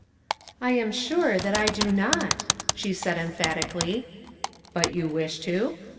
'' T am sure that I do 920^," she said, emphati cally. *' But you wish to